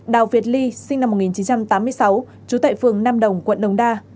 đào việt ly sinh năm một nghìn chín trăm tám mươi sáu chú tệ phường nam đồng quận đống đa